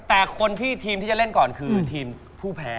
แต่คนที่ทีมที่จะเล่นก่อนคือทีมผู้แพ้